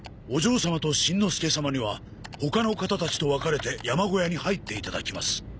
お嬢様としんのすけ様には他の方たちと分かれて山小屋に入っていただきます。